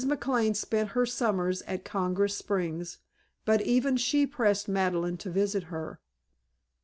McLane spent her summers at Congress Springs, but even she pressed Madeleine to visit her.